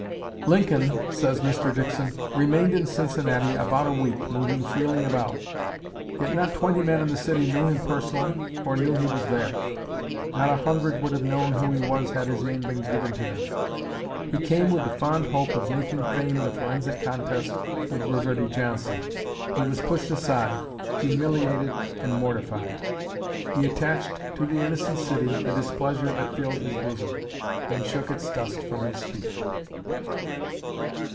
Lincoln, says Mr. Dickson, "remained in Cincinnati about a week, moving freely about. Yet not twenty men in the city knew him personally, or knew he was here; not a hundred would have known who he was had his name been given to them. He came with the fond hope of making fame in a forensic contest with Reverdy Johnson. He was pushed aside, humiliated and mortified. He attached to the innocent city the displeasure that filled his bosom, and shook its dust from his feet."